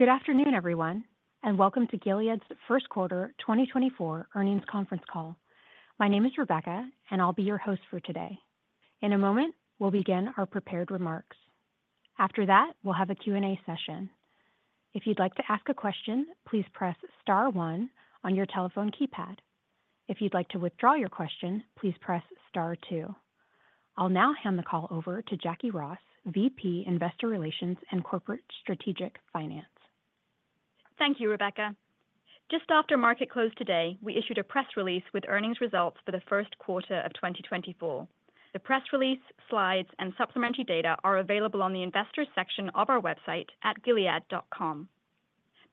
Good afternoon, everyone, and welcome to Gilead's first quarter 2024 earnings conference call. My name is Rebecca, and I'll be your host for today. In a moment, we'll begin our prepared remarks. After that, we'll have a Q&A session. If you'd like to ask a question, please press star one on your telephone keypad. If you'd like to withdraw your question, please press star two. I'll now hand the call over to Jacquie Ross, VP Investor Relations and Corporate Strategic Finance. Thank you, Rebecca. Just after market closed today, we issued a press release with earnings results for the first quarter of 2024. The press release, slides, and supplementary data are available on the investors section of our website at gilead.com.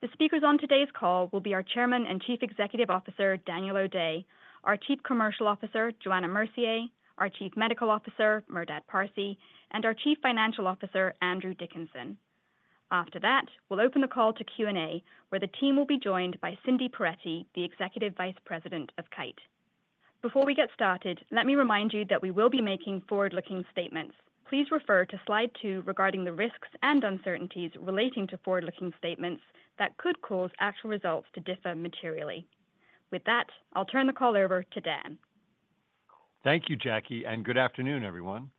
The speakers on today's call will be our Chairman and Chief Executive Officer, Daniel O'Day; our Chief Commercial Officer, Johanna Mercier; our Chief Medical Officer, Merdad Parsey; and our Chief Financial Officer, Andrew Dickinson. After that, we'll open the call to Q&A, where the team will be joined by Cindy Perettie, the Executive Vice President of Kite. Before we get started, let me remind you that we will be making forward-looking statements. Please refer to slide two regarding the risks and uncertainties relating to forward-looking statements that could cause actual results to differ materially. With that, I'll turn the call over to Dan. Thank you, Jacquie, and good afternoon, everyone.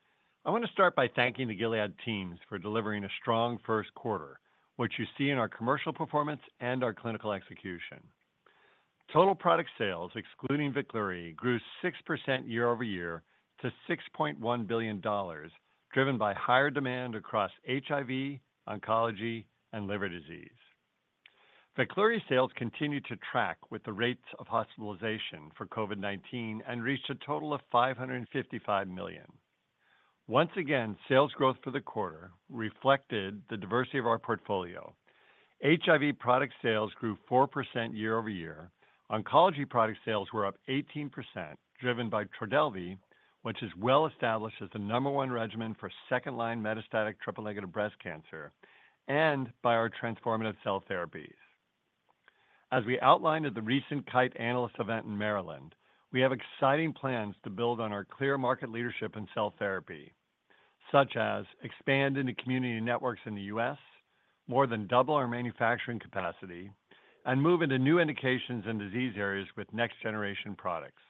I want to start by thanking the Gilead teams for delivering a strong first quarter, which you see in our commercial performance and our clinical execution. Total product sales, excluding VEKLURY, grew 6% year-over-year to $6.1 billion, driven by higher demand across HIV, oncology, and liver disease. VEKLURY sales continued to track with the rates of hospitalization for COVID-19 and reached a total of $555 million. Once again, sales growth for the quarter reflected the diversity of our portfolio. HIV product sales grew 4% year-over-year. Oncology product sales were up 18%, driven by TRODELVY, which is well established as the number one regimen for second-line metastatic triple-negative breast cancer, and by our transformative cell therapies. As we outlined at the recent Kite analyst event in Maryland, we have exciting plans to build on our clear market leadership in cell therapy, such as expand into community networks in the U.S., more than double our manufacturing capacity, and move into new indications and disease areas with next-generation products.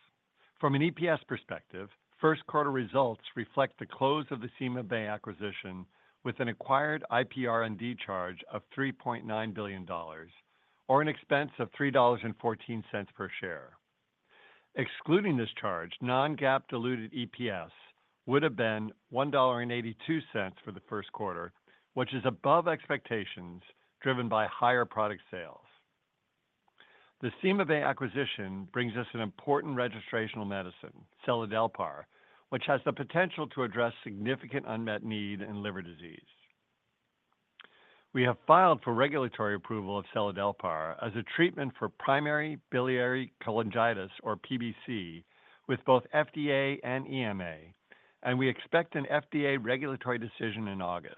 From an EPS perspective, first quarter results reflect the close of the CymaBay acquisition with an acquired IPR&D charge of $3.9 billion, or an expense of $3.14 per share. Excluding this charge, non-GAAP diluted EPS would have been $1.82 for the first quarter, which is above expectations, driven by higher product sales. The CymaBay acquisition brings us an important registrational medicine, seladelpar, which has the potential to address significant unmet need in liver disease. We have filed for regulatory approval of seladelpar as a treatment for primary biliary cholangitis, or PBC, with both FDA and EMA, and we expect an FDA regulatory decision in August.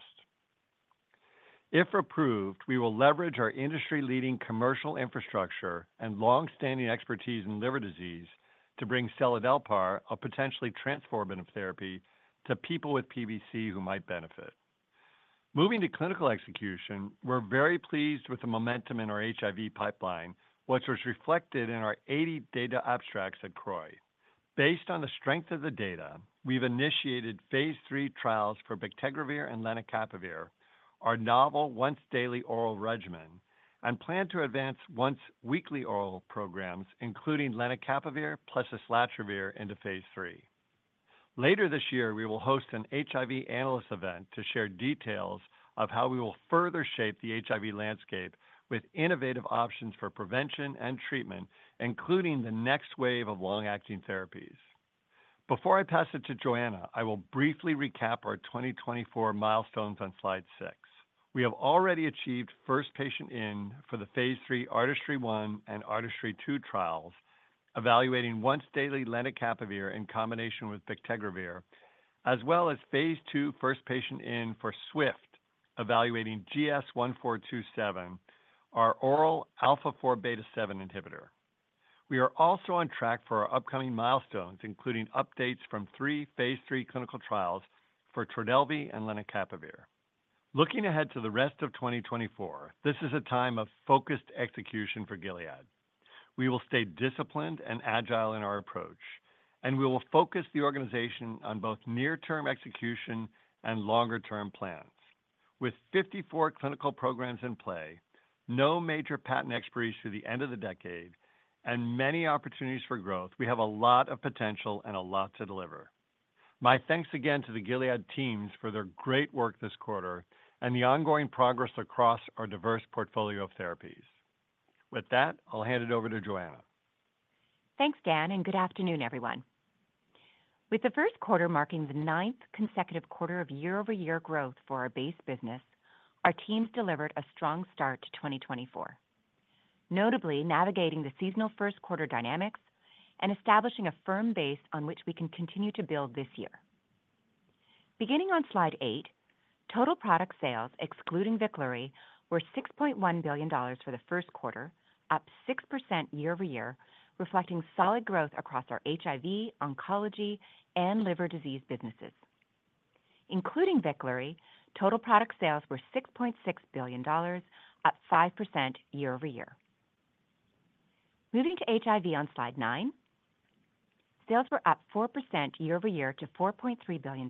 If approved, we will leverage our industry-leading commercial infrastructure and longstanding expertise in liver disease to bring seladelpar, a potentially transformative therapy, to people with PBC who might benefit. Moving to clinical execution, we're very pleased with the momentum in our HIV pipeline, which was reflected in our 80 data abstracts at CROI. Based on the strength of the data, we've initiated phase III trials for bictegravir and lenacapavir, our novel once-daily oral regimen, and plan to advance once-weekly oral programs, including lenacapavir plus islatravir, into phase III. Later this year, we will host an HIV analyst event to share details of how we will further shape the HIV landscape with innovative options for prevention and treatment, including the next wave of long-acting therapies. Before I pass it to Johanna, I will briefly recap our 2024 milestones on slide six. We have already achieved first patient in for the phase III ARTISTRY-1 and ARTISTRY-2 trials, evaluating once-daily lenacapavir in combination with bictegravir, as well as phase II first patient in for SWIFT, evaluating GS-1427, our oral alpha-4 beta-7 inhibitor. We are also on track for our upcoming milestones, including updates from three phase III clinical trials for TRODELVY and lenacapavir. Looking ahead to the rest of 2024, this is a time of focused execution for Gilead. We will stay disciplined and agile in our approach, and we will focus the organization on both near-term execution and longer-term plans. With 54 clinical programs in play, no major patent expiry through the end of the decade, and many opportunities for growth, we have a lot of potential and a lot to deliver. My thanks again to the Gilead teams for their great work this quarter and the ongoing progress across our diverse portfolio of therapies. With that, I'll hand it over to Johanna. Thanks, Dan, and good afternoon, everyone. With the first quarter marking the ninth consecutive quarter of year-over-year growth for our base business, our teams delivered a strong start to 2024, notably navigating the seasonal first quarter dynamics and establishing a firm base on which we can continue to build this year. Beginning on slide eight, total product sales, excluding VEKLURY, were $6.1 billion for the first quarter, up 6% year-over-year, reflecting solid growth across our HIV, oncology, and liver disease businesses. Including VEKLURY, total product sales were $6.6 billion, up 5% year-over-year. Moving to HIV on slide nine, sales were up 4% year-over-year to $4.3 billion,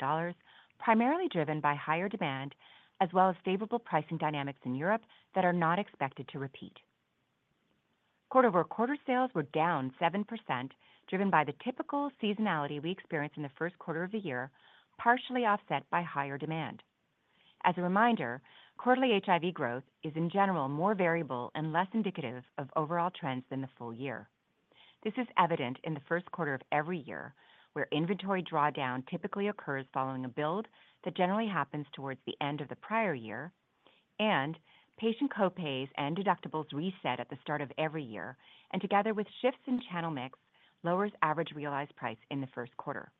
primarily driven by higher demand as well as favorable pricing dynamics in Europe that are not expected to repeat. Quarter-over-quarter sales were down 7%, driven by the typical seasonality we experience in the first quarter of the year, partially offset by higher demand. As a reminder, quarterly HIV growth is, in general, more variable and less indicative of overall trends than the full year. This is evident in the first quarter of every year, where inventory drawdown typically occurs following a build that generally happens towards the end of the prior year, and patient copays and deductibles reset at the start of every year, and together with shifts in channel mix, lowers average realized price in the first quarter.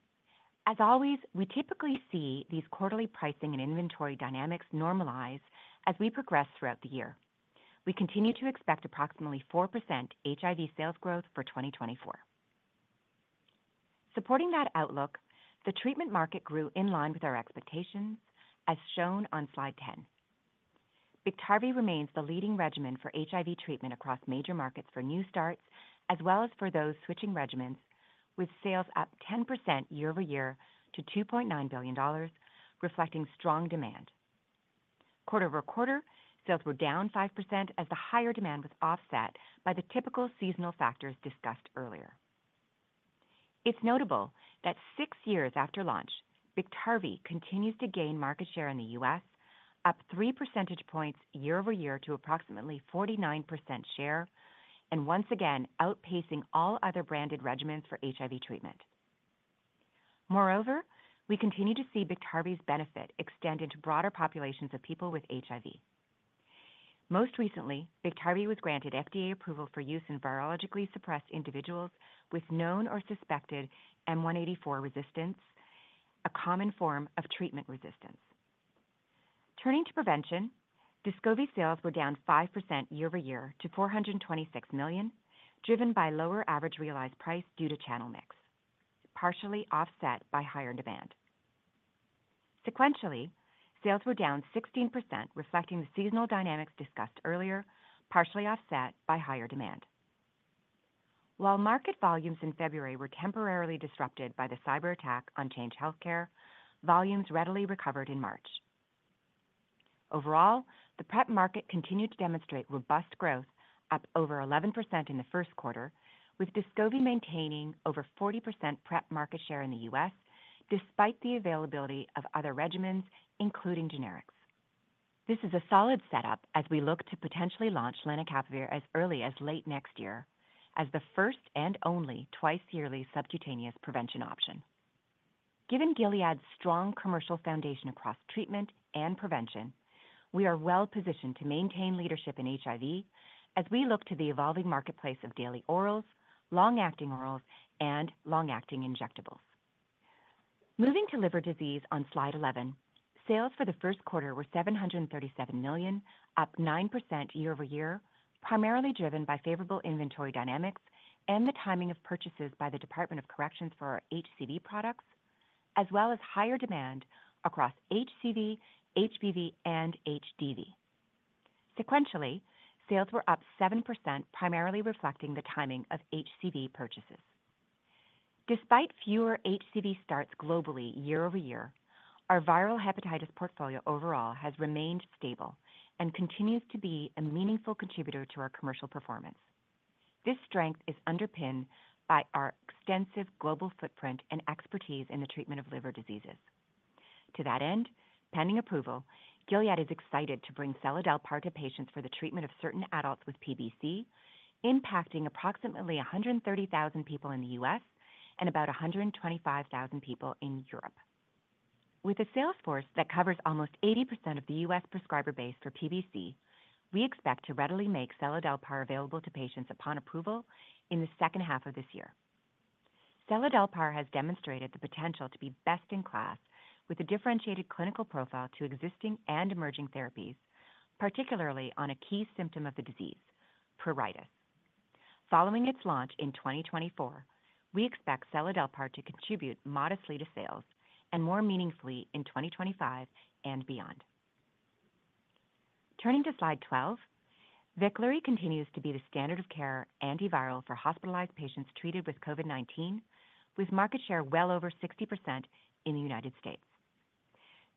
As always, we typically see these quarterly pricing and inventory dynamics normalize as we progress throughout the year. We continue to expect approximately 4% HIV sales growth for 2024. Supporting that outlook, the treatment market grew in line with our expectations, as shown on slide 10. BIKTARVY remains the leading regimen for HIV treatment across major markets for new starts as well as for those switching regimens, with sales up 10% year-over-year to $2.9 billion, reflecting strong demand. Quarter-over-quarter, sales were down 5% as the higher demand was offset by the typical seasonal factors discussed earlier. It's notable that six years after launch, BIKTARVY continues to gain market share in the U.S., up 3 percentage points year-over-year to approximately 49% share, and once again outpacing all other branded regimens for HIV treatment. Moreover, we continue to see BIKTARVY's benefit extend into broader populations of people with HIV. Most recently, BIKTARVY was granted FDA approval for use in virologically suppressed individuals with known or suspected M184 resistance, a common form of treatment resistance. Turning to prevention, DESCOVY sales were down 5% year-over-year to $426 million, driven by lower average realized price due to channel mix, partially offset by higher demand. Sequentially, sales were down 16%, reflecting the seasonal dynamics discussed earlier, partially offset by higher demand. While market volumes in February were temporarily disrupted by the cyberattack on Change Healthcare, volumes readily recovered in March. Overall, the PrEP market continued to demonstrate robust growth, up over 11% in the first quarter, with DESCOVY maintaining over 40% PrEP market share in the U.S. despite the availability of other regimens, including generics. This is a solid setup as we look to potentially launch lenacapavir as early as late next year as the first and only twice-yearly subcutaneous prevention option. Given Gilead's strong commercial foundation across treatment and prevention, we are well positioned to maintain leadership in HIV as we look to the evolving marketplace of daily orals, long-acting orals, and long-acting injectables. Moving to liver disease on slide 11, sales for the first quarter were $737 million, up 9% year-over-year, primarily driven by favorable inventory dynamics and the timing of purchases by the Department of Corrections for our HCV products, as well as higher demand across HCV, HBV, and HDV. Sequentially, sales were up 7%, primarily reflecting the timing of HCV purchases. Despite fewer HCV starts globally year-over-year, our viral hepatitis portfolio overall has remained stable and continues to be a meaningful contributor to our commercial performance. This strength is underpinned by our extensive global footprint and expertise in the treatment of liver diseases. To that end, pending approval, Gilead is excited to bring seladelpar to patients for the treatment of certain adults with PBC, impacting approximately 130,000 people in the U.S. and about 125,000 people in Europe. With a sales force that covers almost 80% of the U.S. prescriber base for PBC, we expect to readily make seladelpar available to patients upon approval in the second half of this year. Seladelpar has demonstrated the potential to be best in class with a differentiated clinical profile to existing and emerging therapies, particularly on a key symptom of the disease, pruritus. Following its launch in 2024, we expect seladelpar to contribute modestly to sales and more meaningfully in 2025 and beyond. Turning to slide 12, VEKLURY continues to be the standard of care antiviral for hospitalized patients treated with COVID-19, with market share well over 60% in the United States.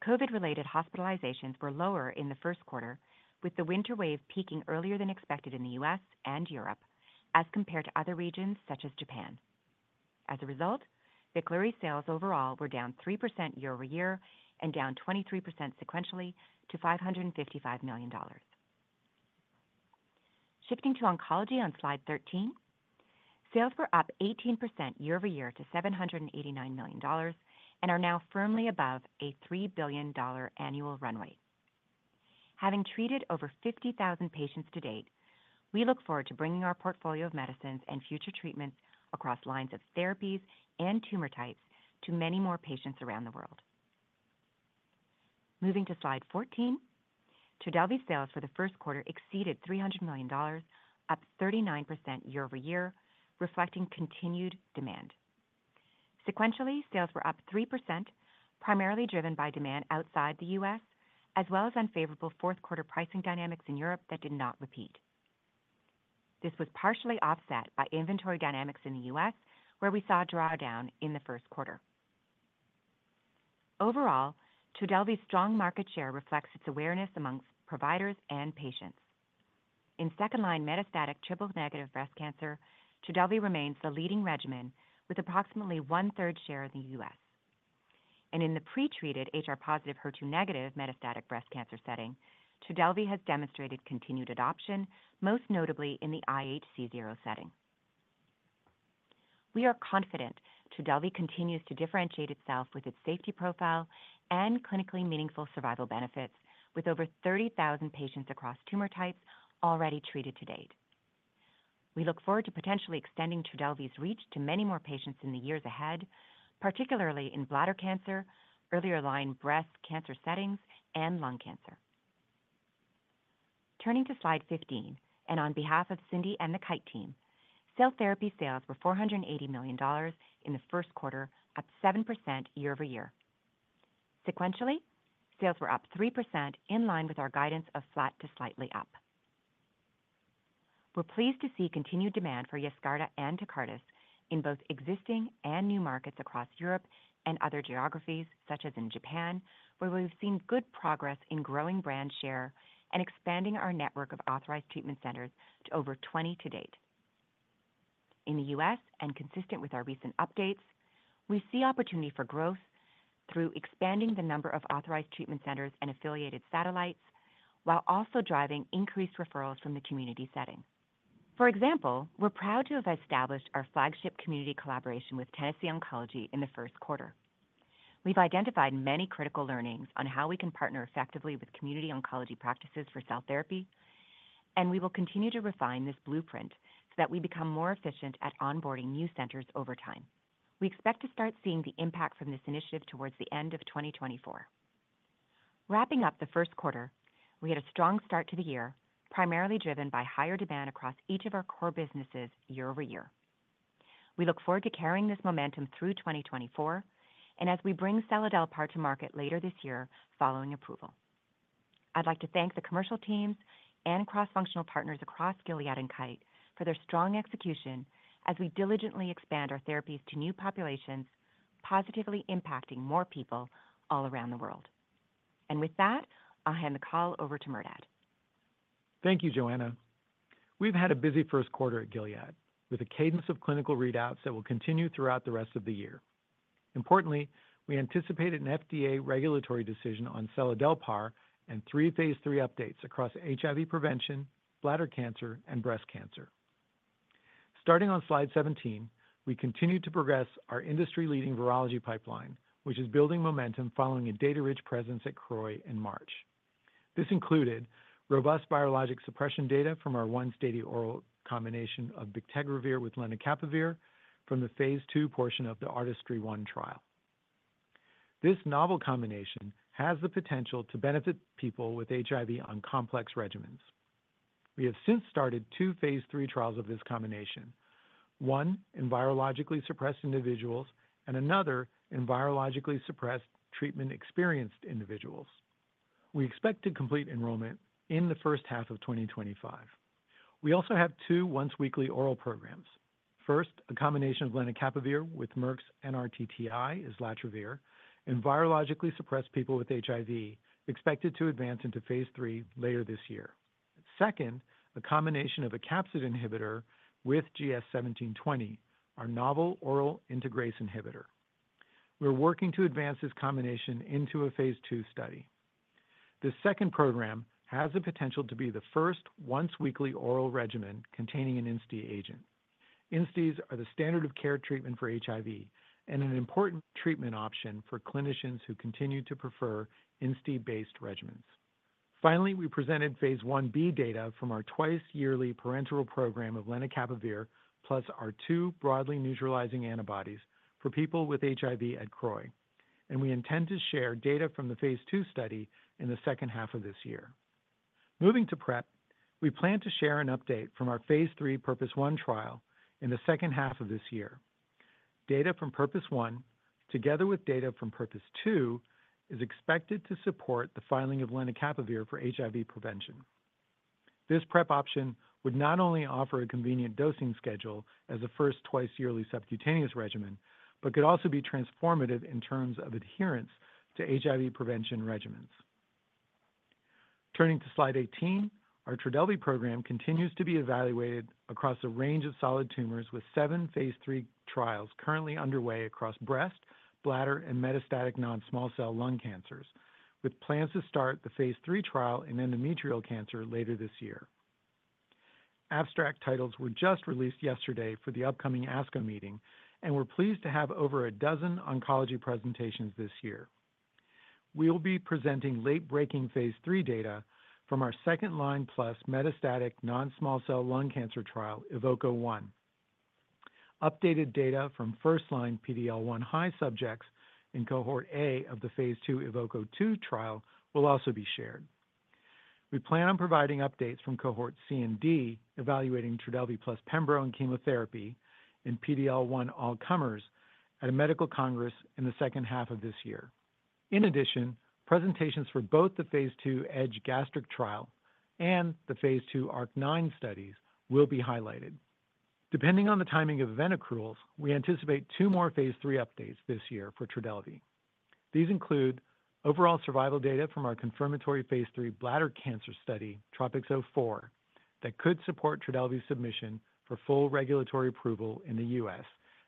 COVID-related hospitalizations were lower in the first quarter, with the winter wave peaking earlier than expected in the U.S. and Europe as compared to other regions such as Japan. As a result, VEKLURY sales overall were down 3% year-over-year and down 23% sequentially to $555 million. Shifting to oncology on slide 13, sales were up 18% year-over-year to $789 million and are now firmly above a $3 billion annual runway. Having treated over 50,000 patients to date, we look forward to bringing our portfolio of medicines and future treatments across lines of therapies and tumor types to many more patients around the world. Moving to slide 14, TRODELVY sales for the first quarter exceeded $300 million, up 39% year-over-year, reflecting continued demand. Sequentially, sales were up 3%, primarily driven by demand outside the U.S. as well as unfavorable fourth-quarter pricing dynamics in Europe that did not repeat. This was partially offset by inventory dynamics in the U.S., where we saw drawdown in the first quarter. Overall, TRODELVY's strong market share reflects its awareness among providers and patients. In second-line metastatic triple-negative breast cancer, TRODELVY remains the leading regimen with approximately 1/3 share in the U.S. And in the pretreated HR-positive HER2-negative metastatic breast cancer setting, TRODELVY has demonstrated continued adoption, most notably in the IHC0 setting. We are confident TRODELVY continues to differentiate itself with its safety profile and clinically meaningful survival benefits, with over 30,000 patients across tumor types already treated to date. We look forward to potentially extending TRODELVY's reach to many more patients in the years ahead, particularly in bladder cancer, earlier-line breast cancer settings, and lung cancer. Turning to slide 15, and on behalf of Cindy and the Kite team, cell therapy sales were $480 million in the first quarter, up 7% year-over-year. Sequentially, sales were up 3% in line with our guidance of flat to slightly up. We're pleased to see continued demand for Yescarta and Tecartus in both existing and new markets across Europe and other geographies, such as in Japan, where we've seen good progress in growing brand share and expanding our network of authorized treatment centers to over 20 to date. In the U.S., and consistent with our recent updates, we see opportunity for growth through expanding the number of authorized treatment centers and affiliated satellites while also driving increased referrals from the community setting. For example, we're proud to have established our flagship community collaboration with Tennessee Oncology in the first quarter. We've identified many critical learnings on how we can partner effectively with community oncology practices for cell therapy, and we will continue to refine this blueprint so that we become more efficient at onboarding new centers over time. We expect to start seeing the impact from this initiative towards the end of 2024. Wrapping up the first quarter, we had a strong start to the year, primarily driven by higher demand across each of our core businesses year-over-year. We look forward to carrying this momentum through 2024 and as we bring seladelpar to market later this year following approval. I'd like to thank the commercial teams and cross-functional partners across Gilead and Kite for their strong execution as we diligently expand our therapies to new populations, positively impacting more people all around the world. With that, I'll hand the call over to Merdad. Thank you, Johanna. We've had a busy first quarter at Gilead, with a cadence of clinical readouts that will continue throughout the rest of the year. Importantly, we anticipate an FDA regulatory decision on seladelpar and 3 phase III updates across HIV prevention, bladder cancer, and breast cancer. Starting on slide 17, we continue to progress our industry-leading virology pipeline, which is building momentum following a data-rich presence at CROI in March. This included robust virologic suppression data from our once-daily oral combination of bictegravir with lenacapavir from the phase II portion of the ARTISTRY-1 trial. This novel combination has the potential to benefit people with HIV on complex regimens. We have since started 2 phase III trials of this combination, one in virologically suppressed individuals and another in virologically suppressed treatment experienced individuals. We expect to complete enrollment in the first half of 2025. We also have two once-weekly oral programs. First, a combination of lenacapavir with Merck's NRTTI, islatravir, in virologically suppressed people with HIV, expected to advance into phase III later this year. Second, a combination of a capsid inhibitor with GS-1720, our novel oral integrase inhibitor. We're working to advance this combination into a phase II study. This second program has the potential to be the first once-weekly oral regimen containing an INSTI agent. INSTIs are the standard of care treatment for HIV and an important treatment option for clinicians who continue to prefer INSTI-based regimens. Finally, we presented phase Ib data from our twice-yearly parenteral program of lenacapavir plus our two broadly neutralizing antibodies for people with HIV at CROI, and we intend to share data from the phase II study in the second half of this year. Moving to PrEP, we plan to share an update from our phase II PURPOSE 1 trial in the second half of this year. Data from PURPOSE 1, together with data from PURPOSE 2, is expected to support the filing of lenacapavir for HIV prevention. This PrEP option would not only offer a convenient dosing schedule as a first twice-yearly subcutaneous regimen but could also be transformative in terms of adherence to HIV prevention regimens. Turning to slide 18, our TRODELVY program continues to be evaluated across a range of solid tumors with seven phase III trials currently underway across breast, bladder, and metastatic non-small cell lung cancers, with plans to start the phase III trial in endometrial cancer later this year. Abstract titles were just released yesterday for the upcoming ASCO meeting and we're pleased to have over a dozen oncology presentations this year. We'll be presenting late-breaking phase III data from our second-line plus metastatic non-small cell lung cancer trial, EVOKE-01. Updated data from first-line PD-L1 high subjects in cohort A of the phase II EVOKE-02 trial will also be shared. We plan on providing updates from cohort C and D evaluating TRODELVY plus pembro chemotherapy and PD-L1 all-comers at a medical congress in the second half of this year. In addition, presentations for both the phase II EDGE-Gastric trial and the phase II ARC-9 studies will be highlighted. Depending on the timing of event accruals, we anticipate two more phase III updates this year for TRODELVY. These include overall survival data from our confirmatory phase III bladder cancer study, TROPiCS-04, that could support TRODELVY's submission for full regulatory approval in the U.S.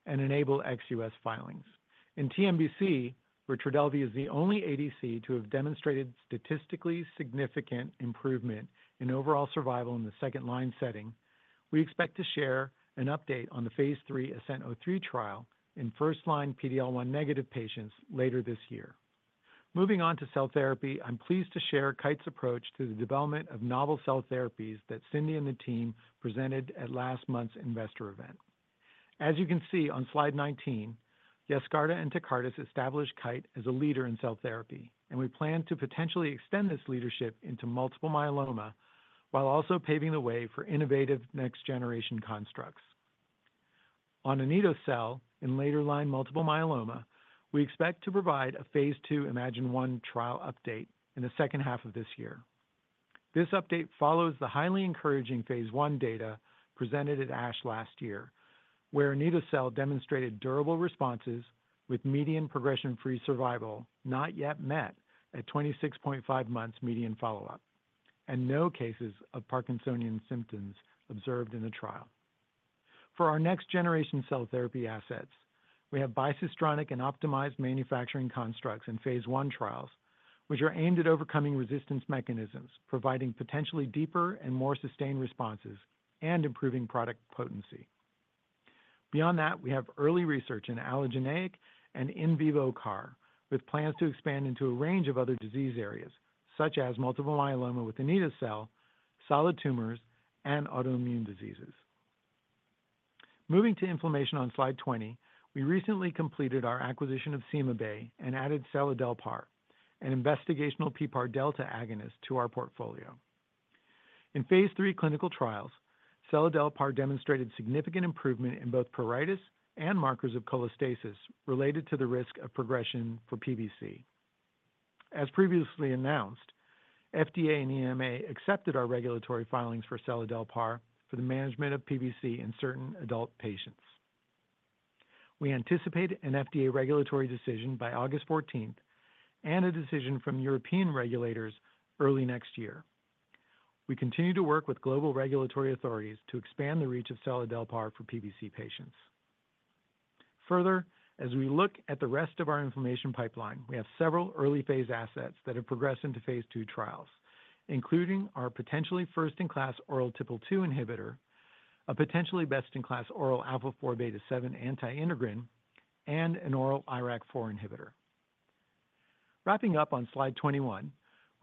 and enable ex-U.S. filings. In TNBC, where TRODELVY is the only ADC to have demonstrated statistically significant improvement in overall survival in the second-line setting, we expect to share an update on the phase III ASCENT-03 trial in first-line PD-L1 negative patients later this year. Moving on to cell therapy, I'm pleased to share Kite's approach to the development of novel cell therapies that Cindy and the team presented at last month's investor event. As you can see on slide 19, Yescarta and Tecartus established Kite as a leader in cell therapy, and we plan to potentially extend this leadership into multiple myeloma while also paving the way for innovative next-generation constructs. On anito-cel in later-line multiple myeloma, we expect to provide a phase II iMMagine-1 trial update in the second half of this year. This update follows the highly encouraging phase I data presented at ASH last year, where anito-cel demonstrated durable responses with median progression-free survival not yet met at 26.5 months median follow-up, and no cases of Parkinsonian symptoms observed in the trial. For our next-generation cell therapy assets, we have bicistronic and optimized manufacturing constructs in phase I trials, which are aimed at overcoming resistance mechanisms, providing potentially deeper and more sustained responses and improving product potency. Beyond that, we have early research in allogeneic and in vivo CAR, with plans to expand into a range of other disease areas such as multiple myeloma with anito-cel, solid tumors, and autoimmune diseases. Moving to information on slide 20, we recently completed our acquisition of CymaBay and added seladelpar, an investigational PPAR delta agonist, to our portfolio. In phase III clinical trials, seladelpar demonstrated significant improvement in both pruritus and markers of cholestasis related to the risk of progression for PBC. As previously announced, FDA and EMA accepted our regulatory filings for seladelpar for the management of PBC in certain adult patients. We anticipate an FDA regulatory decision by August 14 and a decision from European regulators early next year. We continue to work with global regulatory authorities to expand the reach of seladelpar for PBC patients. Further, as we look at the rest of our inflammation pipeline, we have several early-phase assets that have progressed into phase II trials, including our potentially first-in-class oral TPL2 inhibitor, a potentially best-in-class oral alpha-4 beta-7 inhibitor, and an oral IRAK4 inhibitor. Wrapping up on slide 21,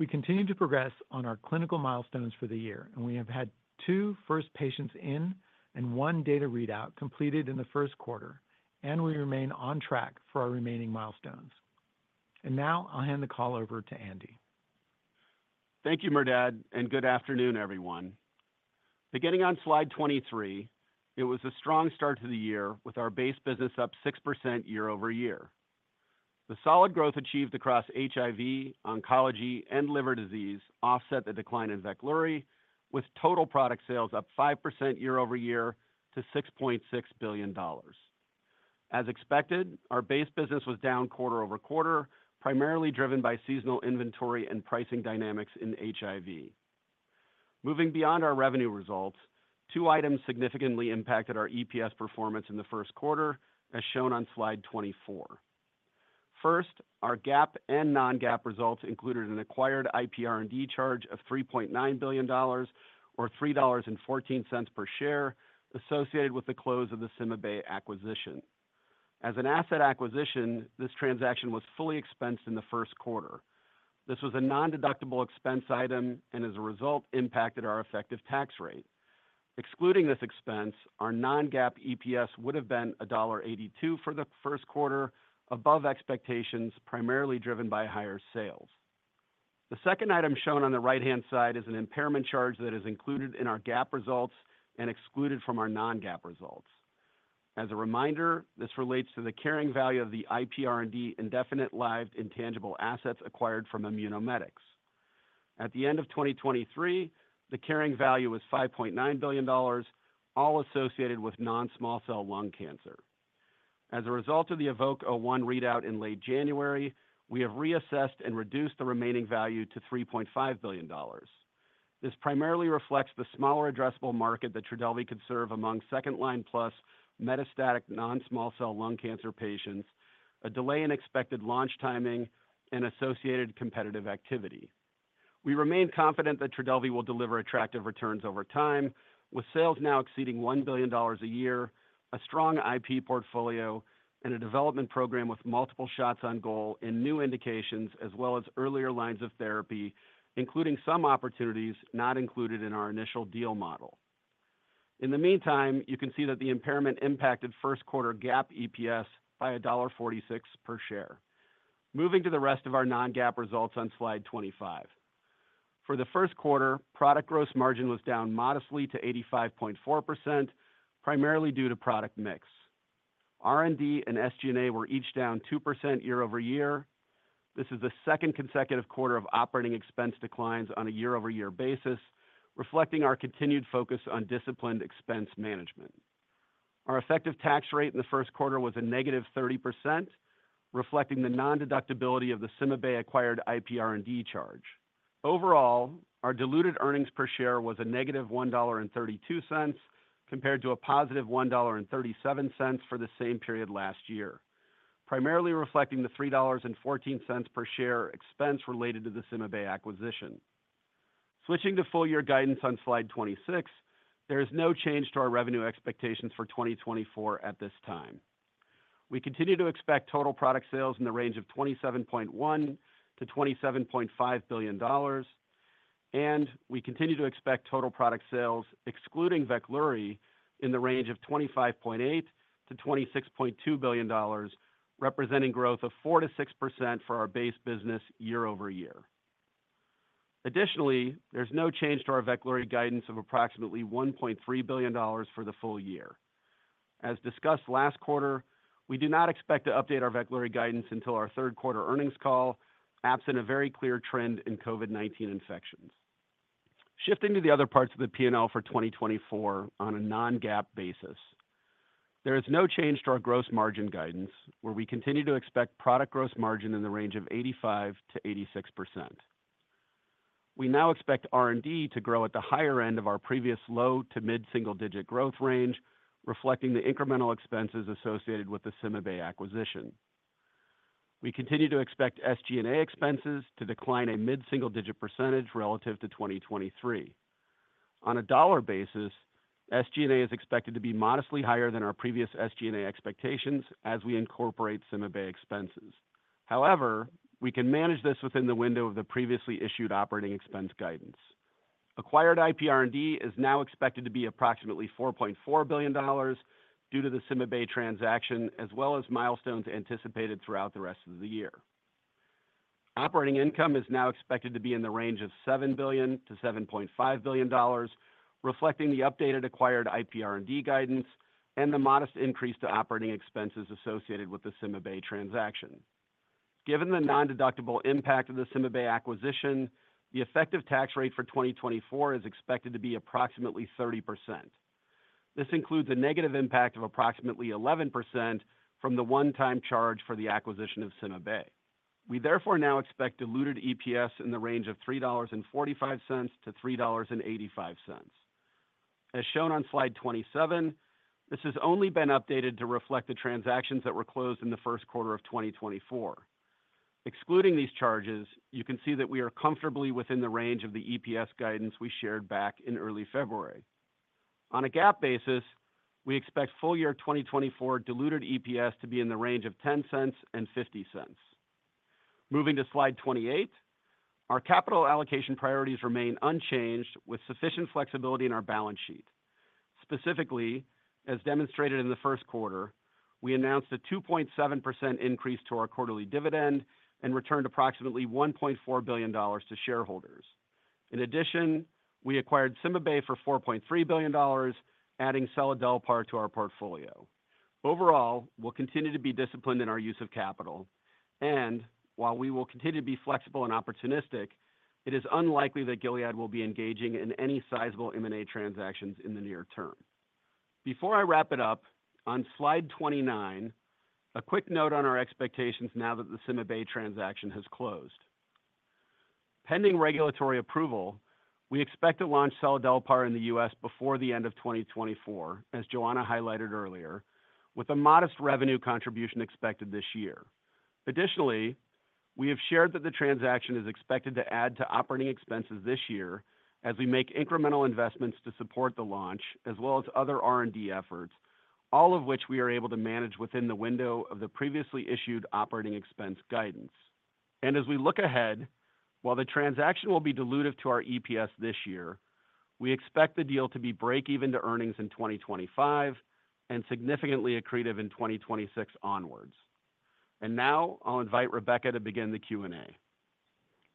we continue to progress on our clinical milestones for the year, and we have had two first patients in and one data readout completed in the first quarter, and we remain on track for our remaining milestones. Now, I'll hand the call over to Andy. Thank you, Merdad, and good afternoon, everyone. Beginning on slide 23, it was a strong start to the year with our base business up 6% year-over-year. The solid growth achieved across HIV, oncology, and liver disease offset the decline in VEKLURY, with total product sales up 5% year-over-year to $6.6 billion. As expected, our base business was down quarter-over-quarter, primarily driven by seasonal inventory and pricing dynamics in HIV. Moving beyond our revenue results, two items significantly impacted our EPS performance in the first quarter, as shown on slide 24. First, our GAAP and non-GAAP results included an acquired IPR&D charge of $3.9 billion, or $3.14 per share, associated with the close of the CymaBay acquisition. As an asset acquisition, this transaction was fully expensed in the first quarter. This was a non-deductible expense item and, as a result, impacted our effective tax rate. Excluding this expense, our non-GAAP EPS would have been $1.82 for the first quarter, above expectations, primarily driven by higher sales. The second item shown on the right-hand side is an impairment charge that is included in our GAAP results and excluded from our non-GAAP results. As a reminder, this relates to the carrying value of the IPR&D indefinite-lived intangible assets acquired from Immunomedics. At the end of 2023, the carrying value was $5.9 billion, all associated with non-small cell lung cancer. As a result of the EVOKE-01 readout in late January, we have reassessed and reduced the remaining value to $3.5 billion. This primarily reflects the smaller addressable market that TRODELVY could serve among second-line plus metastatic non-small cell lung cancer patients, a delay in expected launch timing, and associated competitive activity. We remain confident that TRODELVY will deliver attractive returns over time, with sales now exceeding $1 billion a year, a strong IP portfolio, and a development program with multiple shots on goal in new indications as well as earlier lines of therapy, including some opportunities not included in our initial deal model. In the meantime, you can see that the impairment impacted first quarter GAAP EPS by $1.46 per share. Moving to the rest of our non-GAAP results on slide 25. For the first quarter, product gross margin was down modestly to 85.4%, primarily due to product mix. R&D and SG&A were each down 2% year-over-year. This is the second consecutive quarter of operating expense declines on a year-over-year basis, reflecting our continued focus on disciplined expense management. Our effective tax rate in the first quarter was a negative 30%, reflecting the non-deductibility of the CymaBay acquired IPR&D charge. Overall, our diluted earnings per share was a negative $1.32 compared to a positive $1.37 for the same period last year, primarily reflecting the $3.14 per share expense related to the CymaBay acquisition. Switching to full-year guidance on slide 26, there is no change to our revenue expectations for 2024 at this time. We continue to expect total product sales in the range of $27.1 billion-$27.5 billion, and we continue to expect total product sales excluding VEKLURY in the range of $25.8 billion-$26.2 billion, representing growth of 4%-6% for our base business year-over-year. Additionally, there's no change to our VEKLURY guidance of approximately $1.3 billion for the full year. As discussed last quarter, we do not expect to update our VEKLURY guidance until our third quarter earnings call, absent a very clear trend in COVID-19 infections. Shifting to the other parts of the P&L for 2024 on a non-GAAP basis, there is no change to our gross margin guidance, where we continue to expect product gross margin in the range of 85%-86%. We now expect R&D to grow at the higher end of our previous low to mid-single-digit growth range, reflecting the incremental expenses associated with the CymaBay acquisition. We continue to expect SG&A expenses to decline a mid-single-digit percentage relative to 2023. On a dollar basis, SG&A is expected to be modestly higher than our previous SG&A expectations as we incorporate CymaBay expenses. However, we can manage this within the window of the previously issued operating expense guidance. Acquired IPR&D is now expected to be approximately $4.4 billion due to the CymaBay transaction, as well as milestones anticipated throughout the rest of the year. Operating income is now expected to be in the range of $7 billion-$7.5 billion, reflecting the updated acquired IPR&D guidance and the modest increase to operating expenses associated with the CymaBay transaction. Given the non-deductible impact of the CymaBay acquisition, the effective tax rate for 2024 is expected to be approximately 30%. This includes a negative impact of approximately 11% from the one-time charge for the acquisition of CymaBay. We therefore now expect diluted EPS in the range of $3.45-$3.85. As shown on slide 27, this has only been updated to reflect the transactions that were closed in the first quarter of 2024. Excluding these charges, you can see that we are comfortably within the range of the EPS guidance we shared back in early February. On a GAAP basis, we expect full-year 2024 diluted EPS to be in the range of $0.10-$0.50. Moving to slide 28, our capital allocation priorities remain unchanged with sufficient flexibility in our balance sheet. Specifically, as demonstrated in the first quarter, we announced a 2.7% increase to our quarterly dividend and returned approximately $1.4 billion to shareholders. In addition, we acquired CymaBay for $4.3 billion, adding seladelpar to our portfolio. Overall, we'll continue to be disciplined in our use of capital, and while we will continue to be flexible and opportunistic, it is unlikely that Gilead will be engaging in any sizable M&A transactions in the near term. Before I wrap it up, on slide 29, a quick note on our expectations now that the CymaBay transaction has closed. Pending regulatory approval, we expect to launch seladelpar in the U.S. before the end of 2024, as Johanna highlighted earlier, with a modest revenue contribution expected this year. Additionally, we have shared that the transaction is expected to add to operating expenses this year as we make incremental investments to support the launch as well as other R&D efforts, all of which we are able to manage within the window of the previously issued operating expense guidance. As we look ahead, while the transaction will be diluted to our EPS this year, we expect the deal to be break-even to earnings in 2025 and significantly accretive in 2026 onwards. Now, I'll invite Rebecca to begin the Q&A.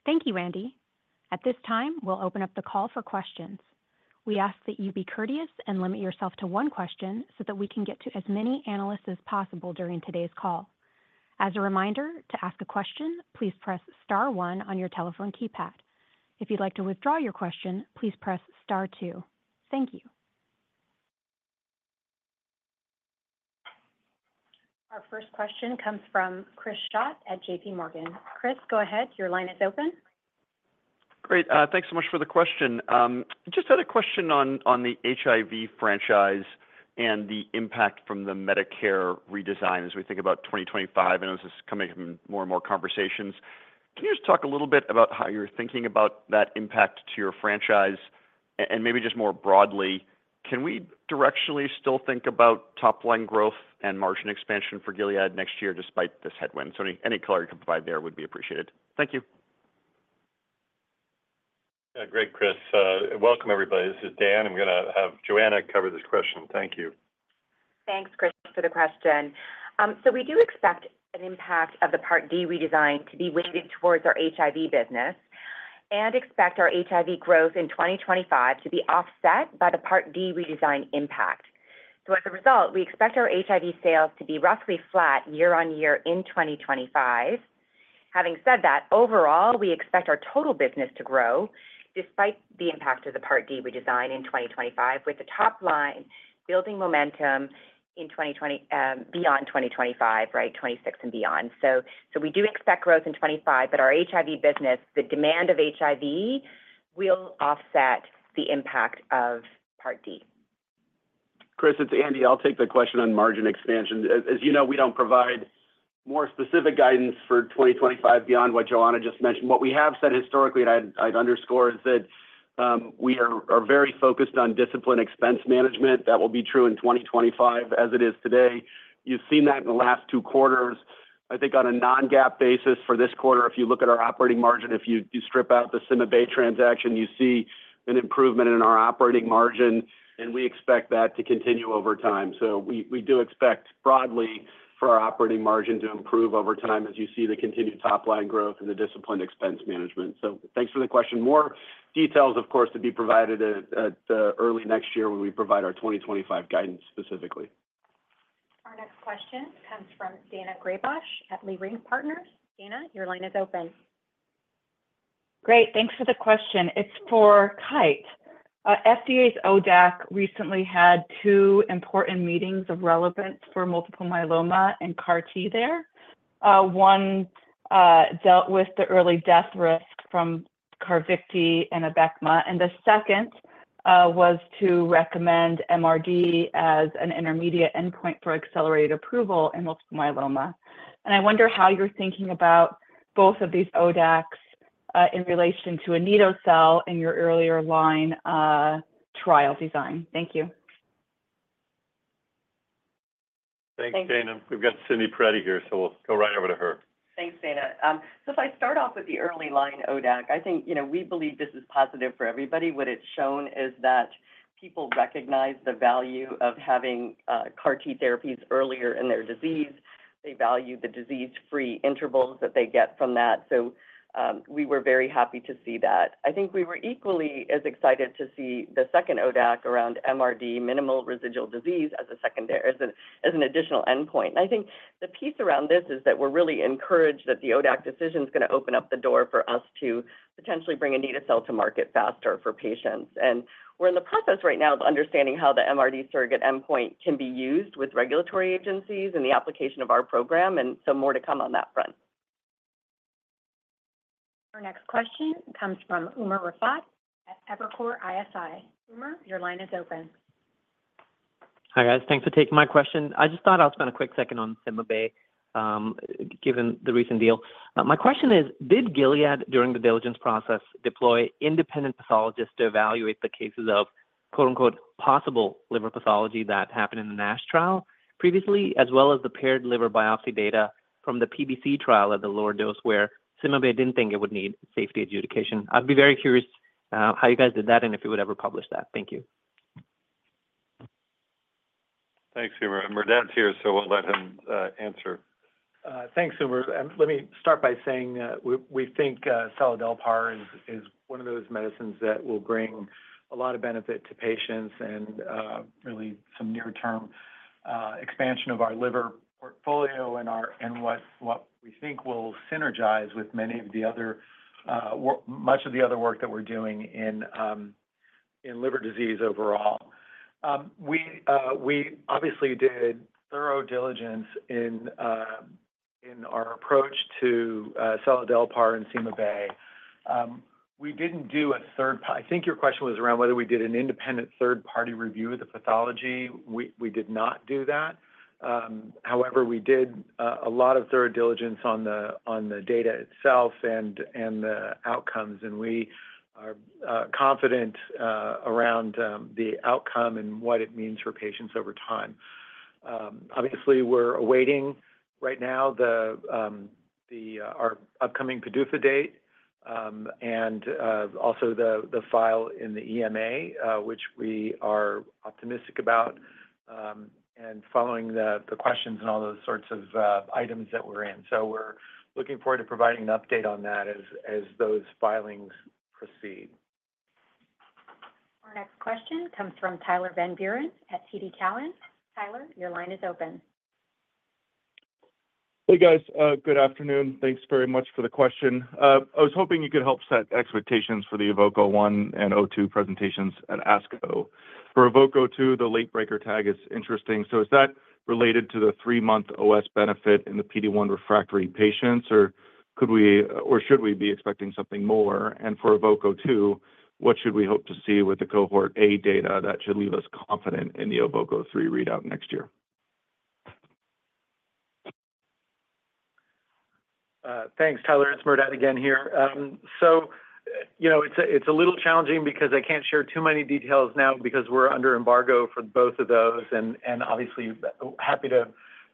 Thank you, Andy. At this time, we'll open up the call for questions. We ask that you be courteous and limit yourself to one question so that we can get to as many analysts as possible during today's call. As a reminder, to ask a question, please press star one on your telephone keypad. If you'd like to withdraw your question, please press star two. Thank you. Our first question comes from Chris Schott at JPMorgan. Chris, go ahead. Your line is open. Great. Thanks so much for the question. I just had a question on the HIV franchise and the impact from the Medicare redesign as we think about 2025, and this is coming from more and more conversations. Can you just talk a little bit about how you're thinking about that impact to your franchise? And maybe just more broadly, can we directionally still think about top-line growth and margin expansion for Gilead next year despite this headwind? So any color you can provide there would be appreciated. Thank you. Great, Chris. Welcome, everybody. This is Dan. I'm going to have Johanna cover this question. Thank you. Thanks, Chris, for the question. So we do expect an impact of the Part D redesign to be weighted towards our HIV business and expect our HIV growth in 2025 to be offset by the Part D redesign impact. So as a result, we expect our HIV sales to be roughly flat year on year in 2025. Having said that, overall, we expect our total business to grow despite the impact of the Part D redesign in 2025, with the top-line building momentum beyond 2025, right, 2026 and beyond. So we do expect growth in 2025, but our HIV business, the demand of HIV, will offset the impact of Part D. Chris, it's Andy. I'll take the question on margin expansion. As you know, we don't provide more specific guidance for 2025 beyond what Johanna just mentioned. What we have said historically, and I'd underscore, is that we are very focused on disciplined expense management. That will be true in 2025 as it is today. You've seen that in the last two quarters. I think on a non-GAAP basis, for this quarter, if you look at our operating margin, if you strip out the CymaBay transaction, you see an improvement in our operating margin, and we expect that to continue over time. So we do expect broadly for our operating margin to improve over time as you see the continued top-line growth and the disciplined expense management. So thanks for the question. More details, of course, to be provided early next year when we provide our 2025 guidance specifically. Our next question comes from Daina Graybosch at Leerink Partners. Daina, your line is open. Great. Thanks for the question. It's for Kite. FDA's ODAC recently had two important meetings of relevance for multiple myeloma and CAR-T there. One dealt with the early death risk from Carvykti and Abecma, and the second was to recommend MRD as an intermediate endpoint for accelerated approval in multiple myeloma. And I wonder how you're thinking about both of these ODACs in relation to anito-cel in your earlier-line trial design. Thank you. Thanks, Daniel. We've got Cindy Perettie here, so we'll go right over to her. Thanks, Daina. So if I start off with the earlier-line ODAC, I think we believe this is positive for everybody. What it's shown is that people recognize the value of having CAR-T therapies earlier in their disease. They value the disease-free intervals that they get from that. So we were very happy to see that. I think we were equally as excited to see the second ODAC around MRD, minimal residual disease, as an additional endpoint. And I think the piece around this is that we're really encouraged that the ODAC decision is going to open up the door for us to potentially bring anito-cel to market faster for patients. And we're in the process right now of understanding how the MRD surrogate endpoint can be used with regulatory agencies and the application of our program, and so more to come on that front. Our next question comes from Umer Raffat at Evercore ISI. Umer, your line is open. Hi, guys. Thanks for taking my question. I just thought I'll spend a quick second on CymaBay given the recent deal. My question is, did Gilead, during the diligence process, deploy independent pathologists to evaluate the cases of "possible liver pathology" that happened in the NASH trial previously, as well as the paired liver biopsy data from the PBC trial at the lower dose where CymaBay didn't think it would need safety adjudication? I'd be very curious how you guys did that and if you would ever publish that. Thank you. Thanks, Umer. Merdad's here, so we'll let him answer. Thanks, Umer. Let me start by saying we think seladelpar is one of those medicines that will bring a lot of benefit to patients and really some near-term expansion of our liver portfolio and what we think will synergize with much of the other work that we're doing in liver disease overall. We obviously did thorough diligence in our approach to seladelpar and CymaBay. We didn't do a third I think your question was around whether we did an independent third-party review of the pathology. We did not do that. However, we did a lot of thorough diligence on the data itself and the outcomes, and we are confident around the outcome and what it means for patients over time. Obviously, we're awaiting right now our upcoming PDUFA date and also the file in the EMA, which we are optimistic about and following the questions and all those sorts of items that we're in. We're looking forward to providing an update on that as those filings proceed. Our next question comes from Tyler Van Buren at TD Cowen. Tyler, your line is open. Hey, guys. Good afternoon. Thanks very much for the question. I was hoping you could help set expectations for the EVOKE-01 and EVOKE-02 presentations at ASCO. For EVOKE-02, the late breaker tag is interesting. So is that related to the three-month OS benefit in the PD-1 refractory patients, or should we be expecting something more? And for EVOKE-02, what should we hope to see with the cohort A data that should leave us confident in the EVOKE-03 readout next year? Thanks, Tyler. It's Merdad again here. So it's a little challenging because I can't share too many details now because we're under embargo for both of those, and obviously, happy to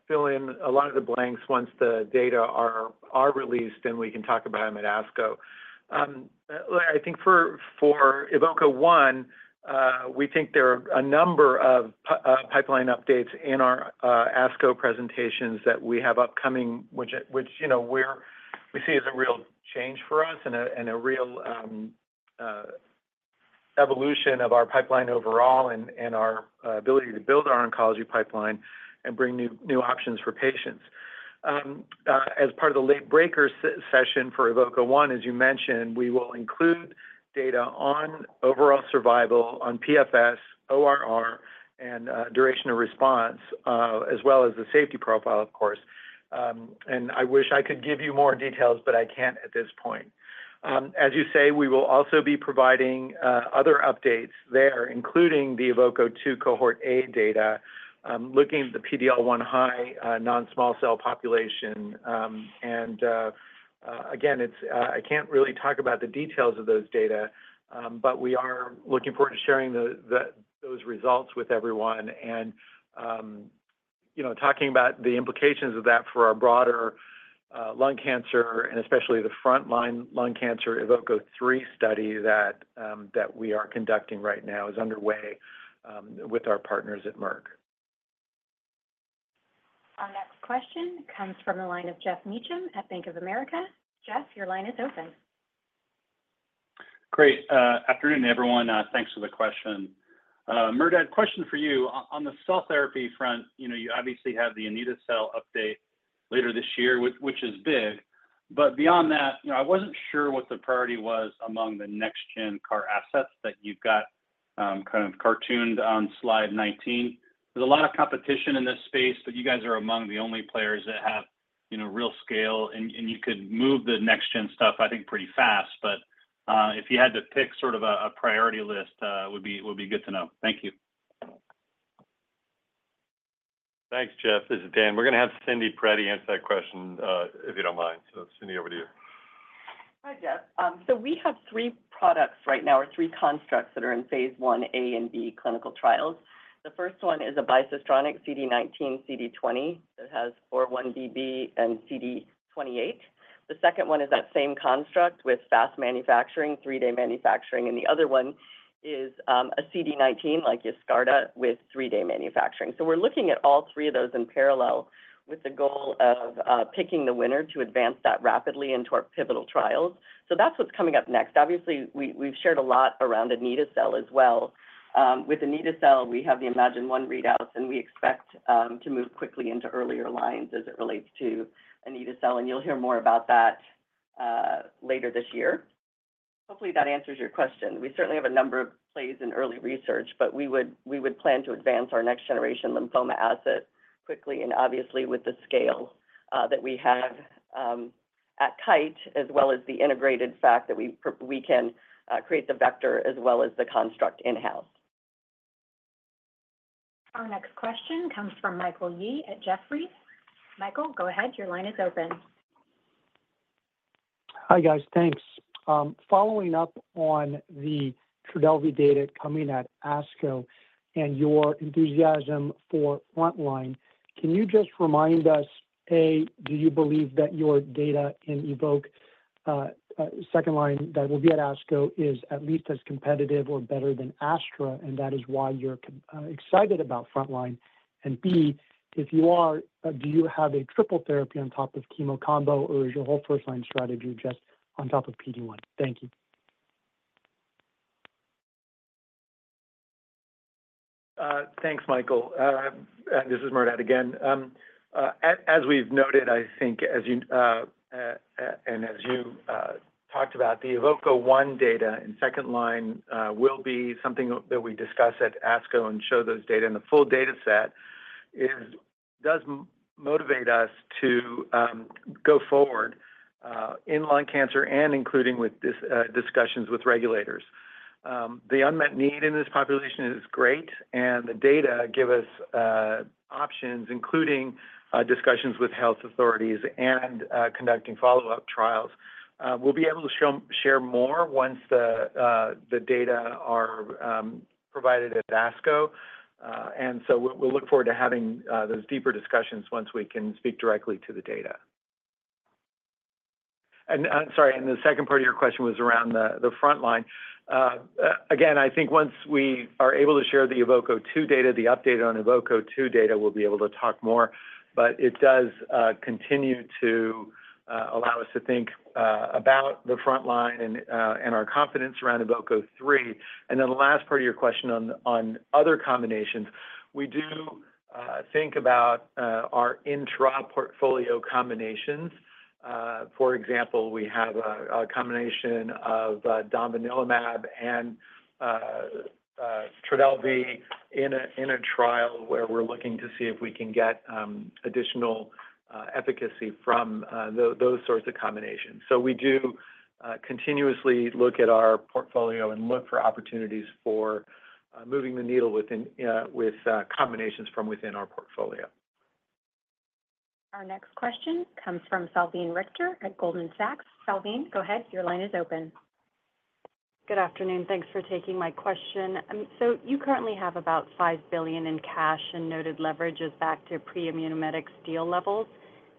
fill in a lot of the blanks once the data are released, and we can talk about them at ASCO. I think for EVOKE-01, we think there are a number of pipeline updates in our ASCO presentations that we have upcoming, which we see as a real change for us and a real evolution of our pipeline overall and our ability to build our oncology pipeline and bring new options for patients. As part of the late breaker session for EVOKE-01, as you mentioned, we will include data on overall survival, on PFS, ORR, and duration of response, as well as the safety profile, of course. I wish I could give you more details, but I can't at this point. As you say, we will also be providing other updates there, including the EVOKE-2 cohort A data, looking at the PD-L1 high non-small cell population. Again, I can't really talk about the details of those data, but we are looking forward to sharing those results with everyone and talking about the implications of that for our broader lung cancer and especially the front-line lung cancer EVOKE-3 study that we are conducting right now is underway with our partners at Merck. Our next question comes from the line of Geoff Meacham at Bank of America. Geoff, your line is open. Good afternoon, everyone. Thanks for the question. Merdad, question for you. On the cell therapy front, you obviously have the anito-cel update later this year, which is big. But beyond that, I wasn't sure what the priority was among the next-gen CAR assets that you've got kind of cartooned on slide 19. There's a lot of competition in this space, but you guys are among the only players that have real scale, and you could move the next-gen stuff, I think, pretty fast. But if you had to pick sort of a priority list, it would be good to know. Thank you. Thanks, Geoff. This is Dan. We're going to have Cindy Perettie answer that question if you don't mind. So Cindy, over to you. Hi, Geoff. So we have three products right now or three constructs that are in phase IA and B clinical trials. The first one is a bicistronic CD19/CD20 that has 4-1BB and CD28. The second one is that same construct with fast manufacturing, 3-day manufacturing. And the other one is a CD19 like Yescarta with 3-day manufacturing. So we're looking at all three of those in parallel with the goal of picking the winner to advance that rapidly into our pivotal trials. So that's what's coming up next. Obviously, we've shared a lot around anito-cel as well. With anito-cel, we have the iMMagine-1 readouts, and we expect to move quickly into earlier lines as it relates to anito-cel. And you'll hear more about that later this year. Hopefully, that answers your question. We certainly have a number of plays in early research, but we would plan to advance our next-generation lymphoma asset quickly and obviously with the scale that we have at Kite as well as the integrated fact that we can create the vector as well as the construct in-house. Our next question comes from Michael Yee at Jefferies. Michael, go ahead. Your line is open. Hi, guys. Thanks. Following up on the TRODELVY data coming at ASCO and your enthusiasm for front-line, can you just remind us, A, do you believe that your data in EVOKE second line that will be at ASCO is at least as competitive or better than Astra, and that is why you're excited about front-line? And B, if you are, do you have a triple therapy on top of chemo combo, or is your whole first-line strategy just on top of PD1? Thank you. Thanks, Michael. This is Merdad again. As we've noted, I think, and as you talked about, the EVOKE-01 data in second line will be something that we discuss at ASCO and show those data in the full dataset does motivate us to go forward in lung cancer and including with discussions with regulators. The unmet need in this population is great, and the data give us options, including discussions with health authorities and conducting follow-up trials. We'll be able to share more once the data are provided at ASCO. And so we'll look forward to having those deeper discussions once we can speak directly to the data. And sorry, and the second part of your question was around the front line. Again, I think once we are able to share the EVOKE-02 data, the update on EVOKE-02 data, we'll be able to talk more. But it does continue to allow us to think about the front line and our confidence around EVOKE-03. And then the last part of your question on other combinations, we do think about our intra-portfolio combinations. For example, we have a combination of domvanalimab and TRODELVY in a trial where we're looking to see if we can get additional efficacy from those sorts of combinations. So we do continuously look at our portfolio and look for opportunities for moving the needle with combinations from within our portfolio. Our next question comes from Salveen Richter at Goldman Sachs. Salveen, go ahead. Your line is open. Good afternoon. Thanks for taking my question. So you currently have about $5 billion in cash and noted leverages back to pre-Immunomedics deal levels.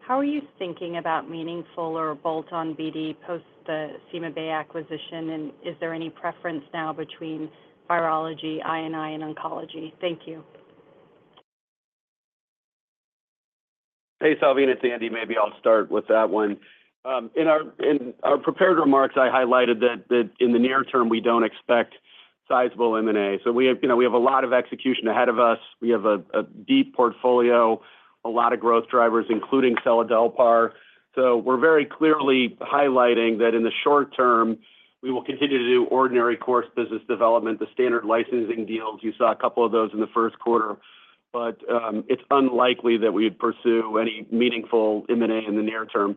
How are you thinking about meaningful or bolt-on BD post the CymaBay acquisition, and is there any preference now between virology, INI, and oncology? Thank you. Hey, Salveen. It's Andy. Maybe I'll start with that one. In our prepared remarks, I highlighted that in the near term, we don't expect sizable M&A. So we have a lot of execution ahead of us. We have a deep portfolio, a lot of growth drivers, including seladelpar. So we're very clearly highlighting that in the short-term, we will continue to do ordinary course business development, the standard licensing deals. You saw a couple of those in the first quarter, but it's unlikely that we would pursue any meaningful M&A in the near term.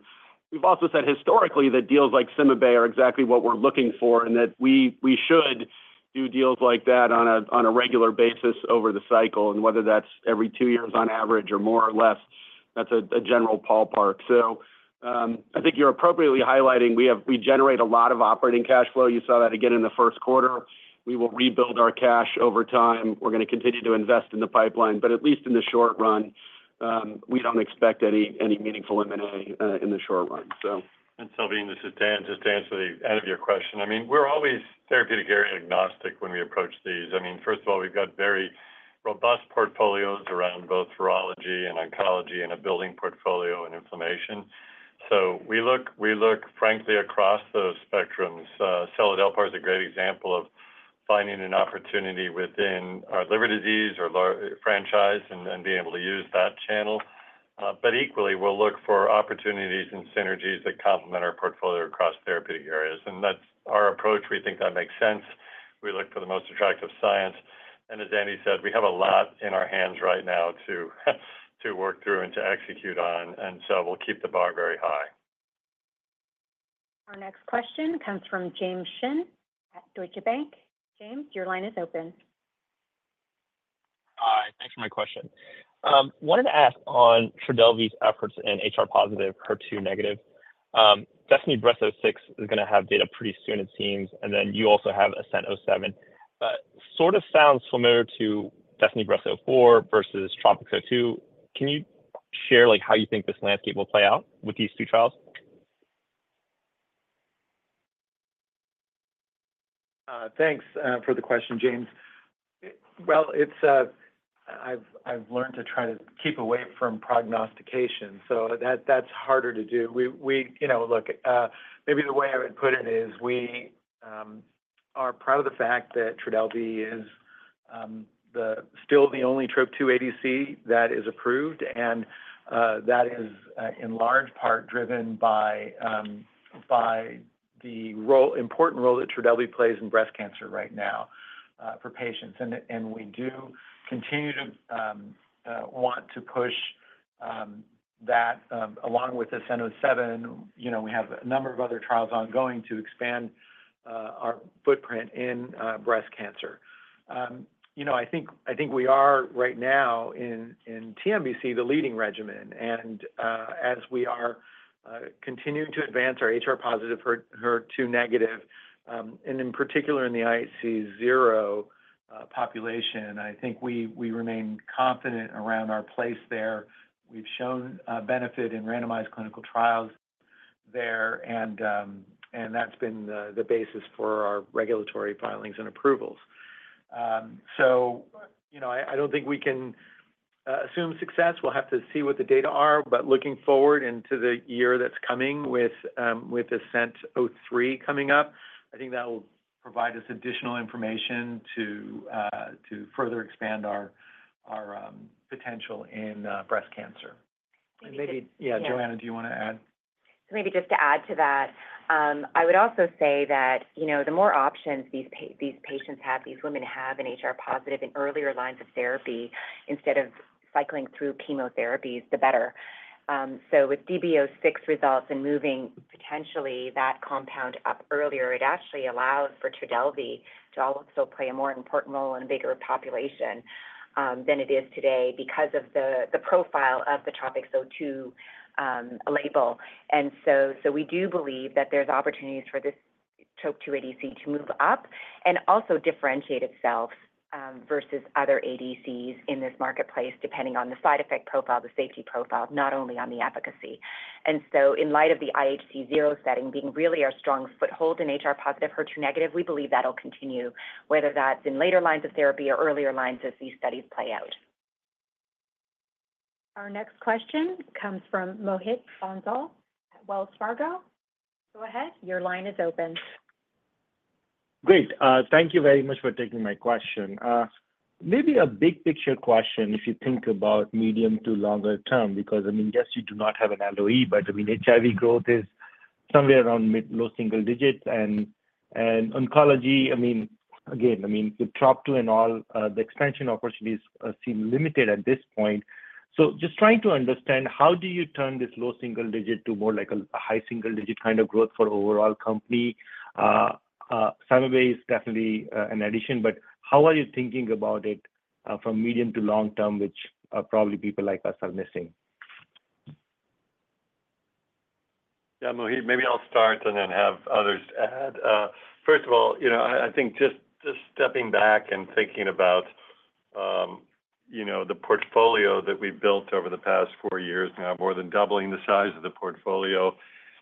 We've also said historically that deals like CymaBay are exactly what we're looking for and that we should do deals like that on a regular basis over the cycle. And whether that's every two years on average or more or less, that's a general ballpark. I think you're appropriately highlighting we generate a lot of operating cash flow. You saw that again in the first quarter. We will rebuild our cash over time. We're going to continue to invest in the pipeline. At least in the short run, we don't expect any meaningful M&A in the short run, so. Salveen, this is Dan. Just to answer the end of your question. I mean, we're always therapeutic area agnostic when we approach these. I mean, first of all, we've got very robust portfolios around both virology and oncology and a building portfolio in inflammation. So we look, frankly, across those spectrums. Seladelpar is a great example of finding an opportunity within our liver disease franchise and being able to use that channel. But equally, we'll look for opportunities and synergies that complement our portfolio across therapeutic areas. And that's our approach. We think that makes sense. We look for the most attractive science. And as Andy said, we have a lot in our hands right now to work through and to execute on. And so we'll keep the bar very high. Our next question comes from James Shin at Deutsche Bank. James, your line is open. Hi. Thanks for my question. Wanted to ask on TRODELVY's efforts in HR-positive, HER2-negative. DESTINY-Breast06 is going to have data pretty soon, it seems. And then you also have ASCENT-07. Sort of sounds familiar to DESTINY-Breast04 versus TROPiCS-02. Can you share how you think this landscape will play out with these two trials? Thanks for the question, James. Well, I've learned to try to keep away from prognostication. So that's harder to do. Look, maybe the way I would put it is we are proud of the fact that TRODELVY is still the only TROP2 ADC that is approved. And that is in large part driven by the important role that TRODELVY plays in breast cancer right now for patients. And we do continue to want to push that along with ASCENT-07. We have a number of other trials ongoing to expand our footprint in breast cancer. I think we are right now in TNBC the leading regimen. And as we continue to advance our HR-positive, HER2-negative, and in particular in the IHC zero population, I think we remain confident around our place there. We've shown benefit in randomized clinical trials there, and that's been the basis for our regulatory filings and approvals. So I don't think we can assume success. We'll have to see what the data are. But looking forward into the year that's coming with ASCENT-03 coming up, I think that will provide us additional information to further expand our potential in breast cancer. And maybe, yeah, Johanna, do you want to add? So maybe just to add to that, I would also say that the more options these patients have, these women have in HR-positive in earlier lines of therapy instead of cycling through chemotherapies, the better. So with DB06 results and moving potentially that compound up earlier, it actually allows for TRODELVY to also play a more important role in a bigger population than it is today because of the profile of the TROPiCS-02 label. And so we do believe that there's opportunities for this TROP2 ADC to move up and also differentiate itself versus other ADCs in this marketplace depending on the side effect profile, the safety profile, not only on the efficacy. And so in light of the IHC 0 setting being really our strong foothold in HR-positive, HER2-negative, we believe that'll continue, whether that's in later lines of therapy or earlier lines as these studies play out. Our next question comes from Mohit Bansal at Wells Fargo. Go ahead. Your line is open. Great. Thank you very much for taking my question. Maybe a big-picture question if you think about medium to longer-term because, I mean, yes, you do not have an LOE, but, I mean, HIV growth is somewhere around low single digits. And oncology, I mean, again, I mean, with TROP2 and all, the expansion opportunities seem limited at this point. So just trying to understand, how do you turn this low single digit to more like a high single digit kind of growth for overall company? CymaBay is definitely an addition. But how are you thinking about it from medium to long-term, which probably people like us are missing? Yeah, Mohit, maybe I'll start and then have others add. First of all, I think just stepping back and thinking about the portfolio that we've built over the past four years, now more than doubling the size of the portfolio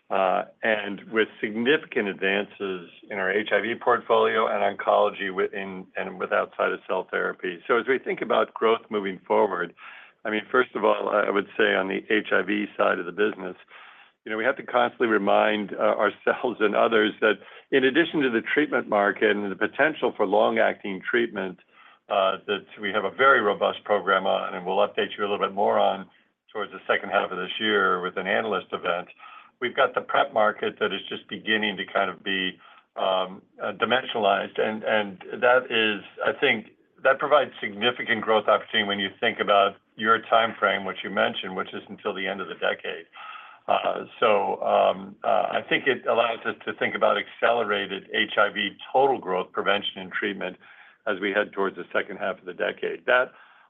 and with significant advances in our HIV portfolio and oncology and with our Kite cell therapy. So as we think about growth moving forward, I mean, first of all, I would say on the HIV side of the business, we have to constantly remind ourselves and others that in addition to the treatment market and the potential for long-acting treatment that we have a very robust program on, and we'll update you a little bit more on towards the second half of this year with an analyst event. We've got the PrEP market that is just beginning to kind of be dimensionalized. I think that provides significant growth opportunity when you think about your timeframe, what you mentioned, which is until the end of the decade. So I think it allows us to think about accelerated HIV total growth prevention and treatment as we head towards the second half of the decade.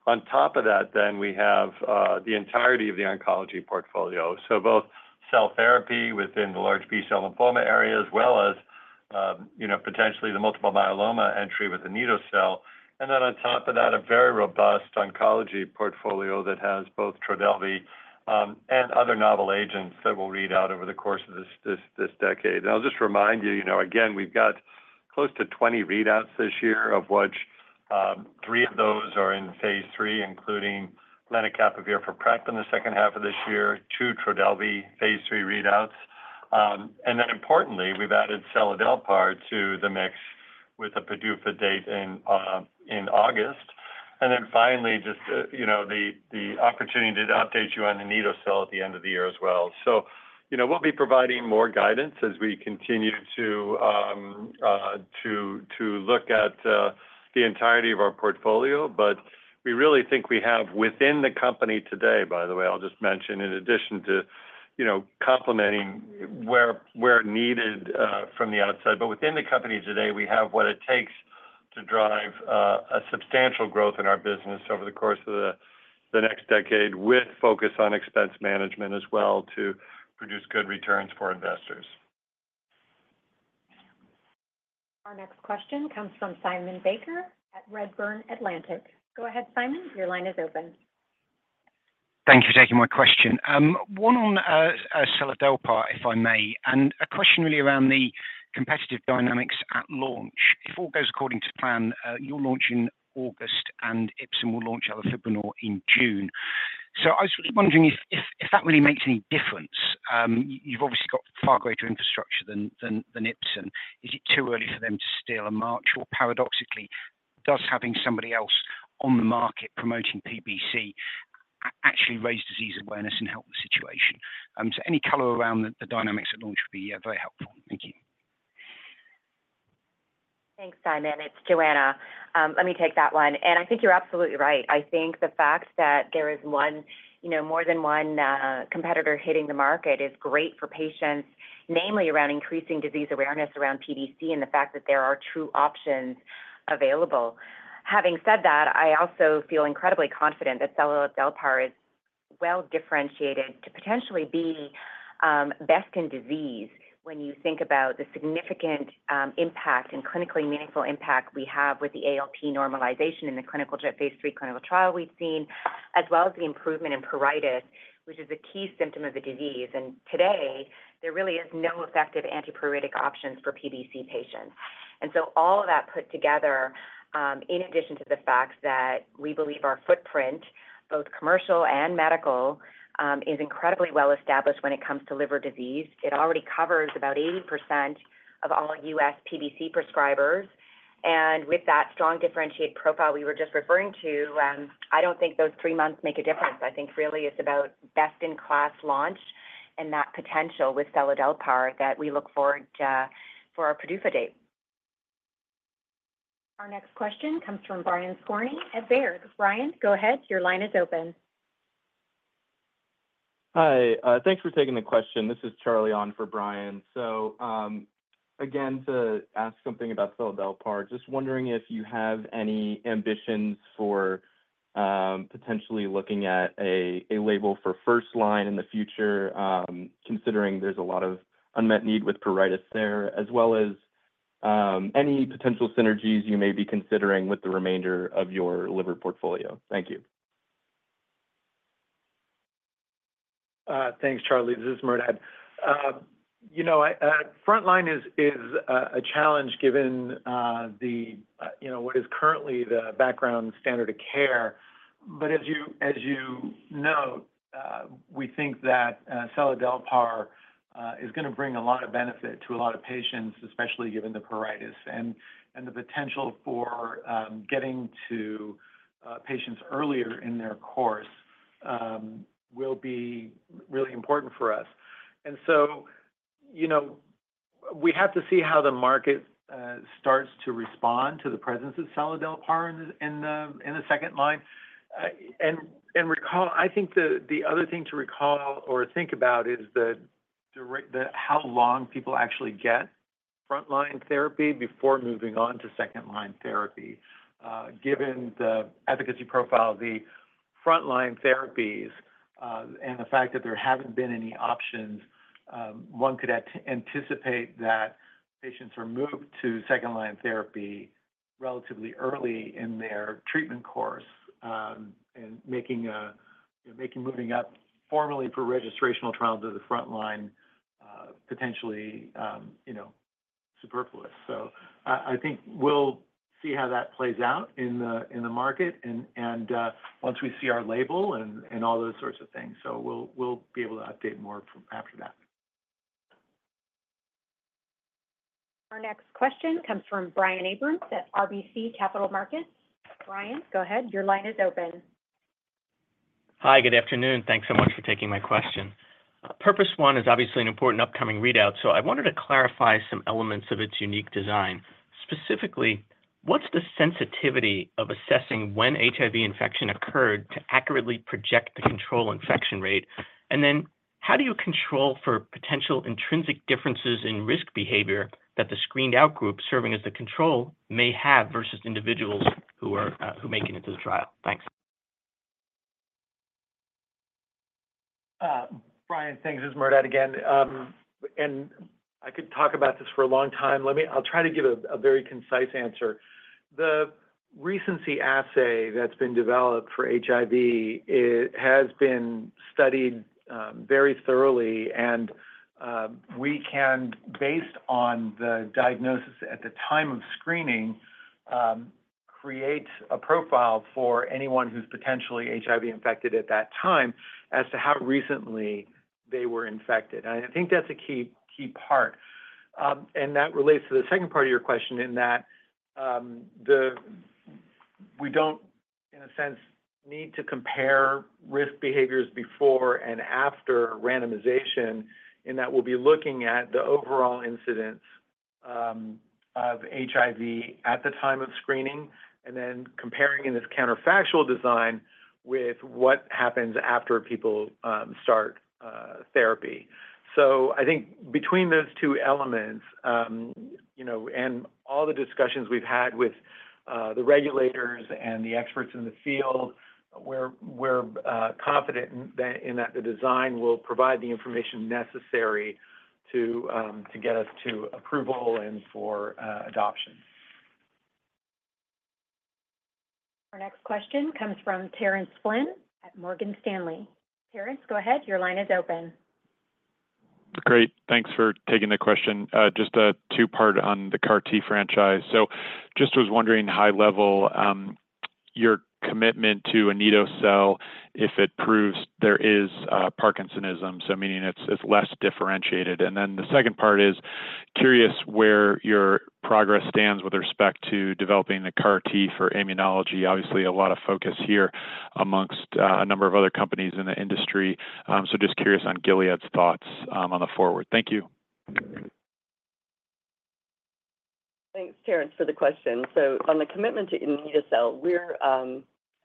On top of that, then, we have the entirety of the oncology portfolio, so both cell therapy within the large B-cell lymphoma area as well as potentially the multiple myeloma entry with anito-cel. And then on top of that, a very robust oncology portfolio that has both TRODELVY and other novel agents that we'll read out over the course of this decade. And I'll just remind you, again, we've got close to 20 readouts this year of which three of those are in phase III, including lenacapavir for PrEP in the second half of this year, 2 TRODELVY phase III readouts. And then importantly, we've added seladelpar to the mix with a PDUFA date in August. And then finally, just the opportunity to update you on the anito-cel at the end of the year as well. So we'll be providing more guidance as we continue to look at the entirety of our portfolio. But we really think we have within the company today, by the way, I'll just mention, in addition to complementing where needed from the outside, but within the company today, we have what it takes to drive a substantial growth in our business over the course of the next decade with focus on expense management as well to produce good returns for investors. Our next question comes from Simon Baker at Redburn Atlantic. Go ahead, Simon. Your line is open. Thank you for taking my question. One on seladelpar, if I may, and a question really around the competitive dynamics at launch. If all goes according to plan, you're launching August, and Ipsen will launch elafibranor in June. So I was really wondering if that really makes any difference. You've obviously got far greater infrastructure than Ipsen. Is it too early for them to steal a march, or paradoxically, does having somebody else on the market promoting PBC actually raise disease awareness and help the situation? So any color around the dynamics at launch would be very helpful. Thank you. Thanks, Simon. It's Johanna. Let me take that one. I think you're absolutely right. I think the fact that there is more than one competitor hitting the market is great for patients, namely around increasing disease awareness around PBC and the fact that there are true options available. Having said that, I also feel incredibly confident that seladelpar is well differentiated to potentially be best in disease when you think about the significant impact and clinically meaningful impact we have with the ALT normalization in the phase III clinical trial we've seen, as well as the improvement in pruritus, which is a key symptom of the disease. Today, there really is no effective antipruritic options for PBC patients. And so all of that put together, in addition to the fact that we believe our footprint, both commercial and medical, is incredibly well established when it comes to liver disease, it already covers about 80% of all U.S. PBC prescribers. And with that strong differentiated profile we were just referring to, I don't think those three months make a difference. I think really it's about best-in-class launch and that potential with seladelpar that we look forward to for our PDUFA date. Our next question comes from Brian Skorney at Baird. Brian, go ahead. Your line is open. Hi. Thanks for taking the question. This is Charlie on for Brian. So again, to ask something about seladelpar, just wondering if you have any ambitions for potentially looking at a label for first-line in the future, considering there's a lot of unmet need with pruritus there, as well as any potential synergies you may be considering with the remainder of your liver portfolio. Thank you. Thanks, Charlie. This is Merdad. Front line is a challenge given what is currently the background standard of care. But as you note, we think that seladelpar is going to bring a lot of benefit to a lot of patients, especially given the pruritus. And the potential for getting to patients earlier in their course will be really important for us. And so we have to see how the market starts to respond to the presence of seladelpar in the second line. And I think the other thing to recall or think about is how long people actually get front line therapy before moving on to second line therapy. Given the efficacy profile of the front line therapies and the fact that there haven't been any options, one could anticipate that patients are moved to second line therapy relatively early in their treatment course, and moving up formally for registrational trials of the front line potentially superfluous. So I think we'll see how that plays out in the market and once we see our label and all those sorts of things. So we'll be able to update more after that. Our next question comes from Brian Abrahams at RBC Capital Markets. Brian, go ahead. Your line is open. Hi. Good afternoon. Thanks so much for taking my question. PURPOSE 1 is obviously an important upcoming readout, so I wanted to clarify some elements of its unique design. Specifically, what's the sensitivity of assessing when HIV infection occurred to accurately project the control infection rate? And then how do you control for potential intrinsic differences in risk behavior that the screened-out group serving as the control may have versus individuals who are making it to the trial? Thanks. Brian, thanks. This is Merdad again. I could talk about this for a long time. I'll try to give a very concise answer. The recency assay that's been developed for HIV has been studied very thoroughly. We can, based on the diagnosis at the time of screening, create a profile for anyone who's potentially HIV infected at that time as to how recently they were infected. I think that's a key part. That relates to the second part of your question in that we don't, in a sense, need to compare risk behaviors before and after randomization in that we'll be looking at the overall incidence of HIV at the time of screening and then comparing in this counterfactual design with what happens after people start therapy. So I think between those two elements and all the discussions we've had with the regulators and the experts in the field, we're confident in that the design will provide the information necessary to get us to approval and for adoption. Our next question comes from Terence Flynn at Morgan Stanley. Terrence, go ahead. Your line is open. Great. Thanks for taking the question. Just a two-part on the CAR-T franchise. So just was wondering high-level, your commitment to anito-cel if it proves there is Parkinsonism, so meaning it's less differentiated. And then the second part is curious where your progress stands with respect to developing the CAR-T for immunology. Obviously, a lot of focus here amongst a number of other companies in the industry. So just curious on Gilead's thoughts going forward. Thank you. Thanks, Terence, for the question. So on the commitment to anito-cel,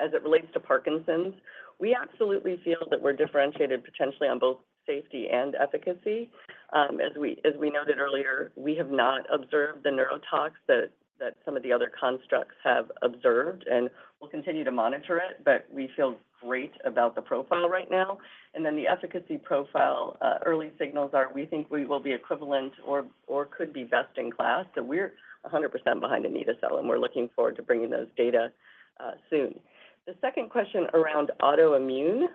as it relates to Parkinson's, we absolutely feel that we're differentiated potentially on both safety and efficacy. As we noted earlier, we have not observed the neurotoxicity that some of the other constructs have observed. And we'll continue to monitor it, but we feel great about the profile right now. And then the efficacy profile, early signals are we think we will be equivalent or could be best in class. So we're 100% behind anito-cel, and we're looking forward to bringing those data soon. The second question around autoimmune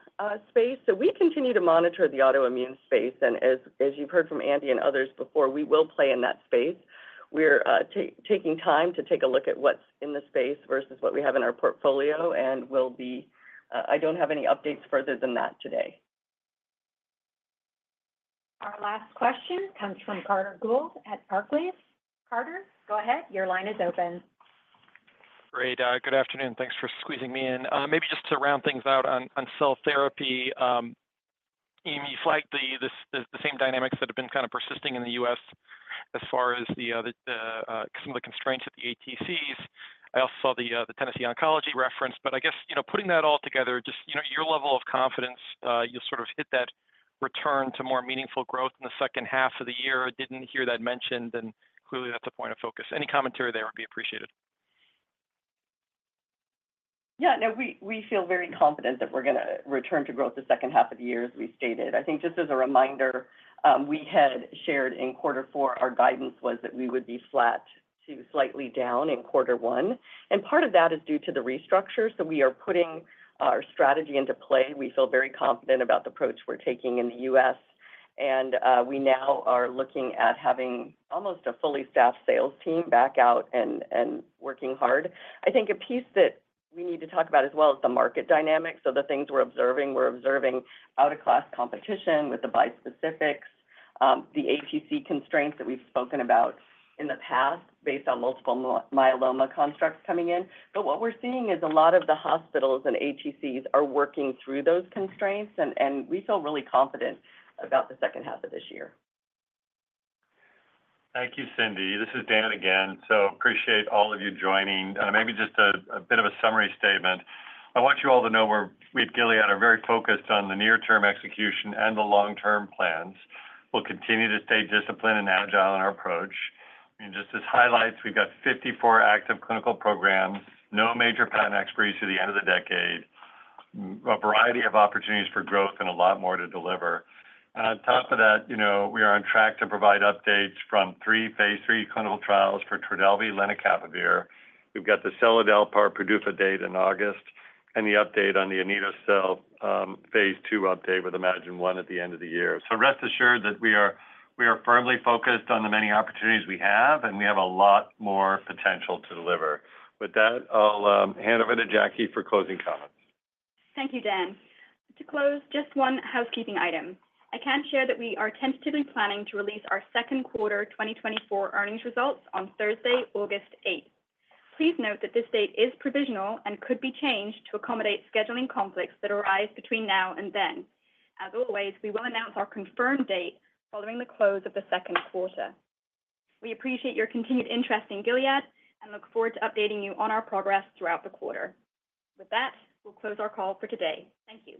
space. So we continue to monitor the autoimmune space. And as you've heard from Andy and others before, we will play in that space. We're taking time to take a look at what's in the space versus what we have in our portfolio. I don't have any updates further than that today. Our last question comes from Carter Gould at Barclays. Carter, go ahead. Your line is open. Great. Good afternoon. Thanks for squeezing me in. Maybe just to round things out on cell therapy, Cindy, the same dynamics that have been kind of persisting in the U.S. as far as some of the constraints at the ATCs. I also saw the Tennessee Oncology reference. But I guess putting that all together, just your level of confidence, you'll sort of hit that return to more meaningful growth in the second half of the year. Didn't hear that mentioned, and clearly that's a point of focus. Any commentary there would be appreciated. Yeah. No, we feel very confident that we're going to return to growth the second half of the year as we stated. I think just as a reminder, we had shared in quarter four our guidance was that we would be flat to slightly down in quarter one. And part of that is due to the restructure. So we are putting our strategy into play. We feel very confident about the approach we're taking in the U.S. And we now are looking at having almost a fully staffed sales team back out and working hard. I think a piece that we need to talk about as well is the market dynamics. So the things we're observing, we're observing out-of-class competition with the bispecifics, the ATC constraints that we've spoken about in the past based on multiple myeloma constructs coming in. But what we're seeing is a lot of the hospitals and ATCs are working through those constraints. And we feel really confident about the second half of this year. Thank you, Cindy. This is Dan again. So appreciate all of you joining. Maybe just a bit of a summary statement. I want you all to know we at Gilead are very focused on the near-term execution and the long-term plans. We'll continue to stay disciplined and agile in our approach. I mean, just as highlights, we've got 54 active clinical programs, no major patent expiries to the end of the decade, a variety of opportunities for growth, and a lot more to deliver. And on top of that, we are on track to provide updates from three phase III clinical trials for TRODELVY, lenacapavir. We've got the seladelpar PDUFA date in August and the update on the anito-cel phase II update with iMMagine-1 at the end of the year. So rest assured that we are firmly focused on the many opportunities we have, and we have a lot more potential to deliver. With that, I'll hand over to Jacquie for closing comments. Thank you, Dan. To close, just one housekeeping item. I can share that we are tentatively planning to release our second quarter 2024 earnings results on Thursday, August 8th. Please note that this date is provisional and could be changed to accommodate scheduling conflicts that arise between now and then. As always, we will announce our confirmed date following the close of the second quarter. We appreciate your continued interest in Gilead and look forward to updating you on our progress throughout the quarter. With that, we'll close our call for today. Thank you.